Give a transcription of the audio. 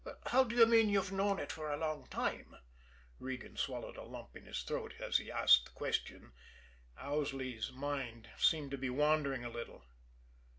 "How do you mean you've known it for a long time?" Regan swallowed a lump in his throat, as he asked the question Owsley's mind seemed to be wandering a little.